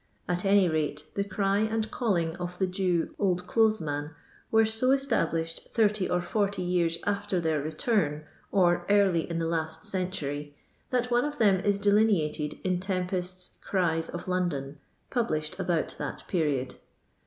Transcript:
At any rote the cry and calling of the Jew oUL clothesraan were so established, 30 or 40 years after their return, or early in the last century, that one of them is delineated in Tempest*s " Cries of London," published about that period.